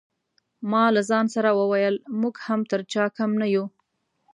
ما له ځان سره وویل موږ هم تر چا کم نه یو.